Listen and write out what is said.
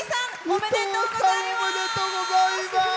おめでとうございます。